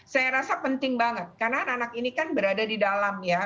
saya rasa penting banget karena anak anak ini kan berada di dalam ya